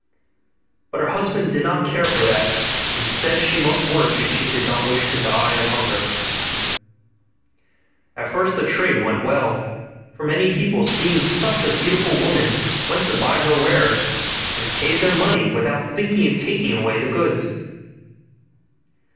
But her husband did not care for that, and said she must work, if she did not wish to die of hunger. At first the trade went well; for many people, seeing such a beautiful woman, went to buy her wares, and paid their money without thinking of taking away the goods.